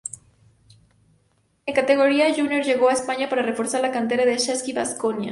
En categoría junior llegó a España, para reforzar la cantera del Saski Baskonia.